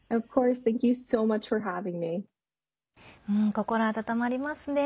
心温まりますね。